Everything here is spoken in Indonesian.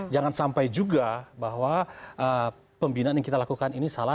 jangan sampai juga bahwa pembinaan yang kita lakukan ini salah